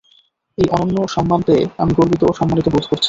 এই অনন্য সম্মান পেয়ে আমি গর্বিত ও সম্মানিত বোধ করছি।